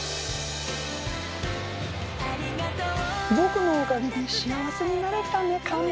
僕のおかげで幸せになれたねカメ。